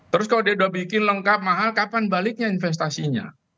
terus kalau dia udah bikin lengkap mahal kapan baliknya investasinya